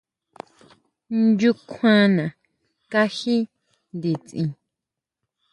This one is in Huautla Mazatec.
¿ʼNchukjuana kají nditsin?